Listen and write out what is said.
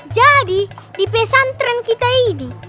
jadi di pesantren kita ini